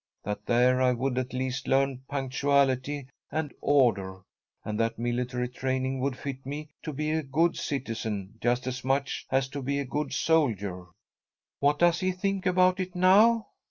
That there I would at least learn punctuality and order, and that military training would fit me to be a good citizen just as much as to be a good soldier." "What does he think about it now?"